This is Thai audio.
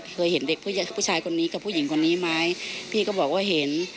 เคยเห็นเด็กผู้ชายคนนี้กับผู้หญิงคนนี้ไหมพี่ก็บอกว่าเห็น